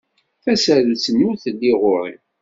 Tasarut-nni ur telli ɣur-i.